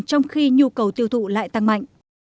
trong khi nhu cầu tiêu thụ lại tăng mạnh